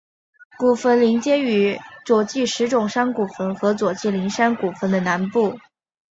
古坟邻接于佐纪石冢山古坟和佐纪陵山古坟的南部。